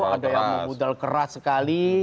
ada yang memudal keras sekali